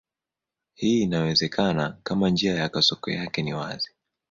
Hii inawezekana kama njia ya kasoko yake ni wazi.